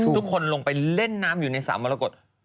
ทุกคนลงไปเล่นน้ำอยู่ในสามมรกฏ